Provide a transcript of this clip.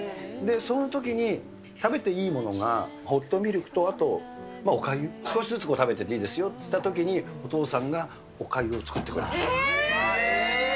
そのときに、食べていいものがホットミルクと、あとおかゆ、少しずつ食べていっていいですよっていったときに、お父さんが、えー。